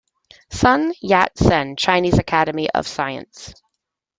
Sun Yat-Sen, Chinese Academy of Sciences.